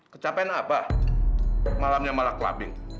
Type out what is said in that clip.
kecapean apa malamnya malah clubbing